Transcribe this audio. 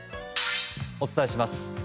お伝えします。